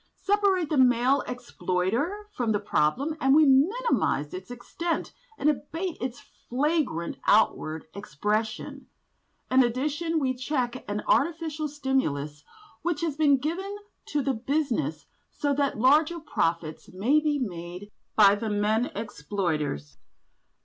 Separate the male exploiter from the problem and we minimise its extent and abate its flagrant outward expression. In addition we check an artificial stimulus which has been given to the business so that larger profits may be made by the men exploiters."